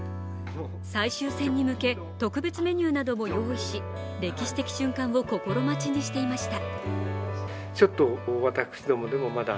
最終戦に向け、特別メニューなども用意し歴史的瞬間を心待ちにしていました。